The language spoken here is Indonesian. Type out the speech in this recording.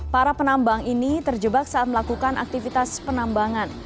para penambang ini terjebak saat melakukan aktivitas penambangan